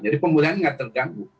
jadi pemulihan nggak terganggu